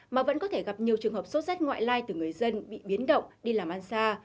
mà vẫn có thể gặp nhiều trường hợp sốt rét ngoại lai từ người dân bị biến động đi làm ăn xa